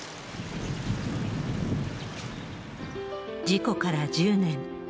事故から１０年。